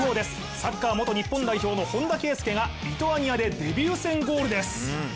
サッカー元日本代表の本田圭佑がリトアニアでデビュー戦ゴールです。